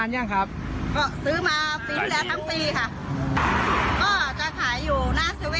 เมื่อที่๔แล้ว